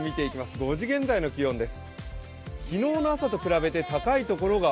５時現在の気温です。